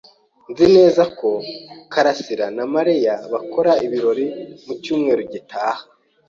Nzi neza ko Karasirana Mariya bakora ibirori mu cyumweru gitaha.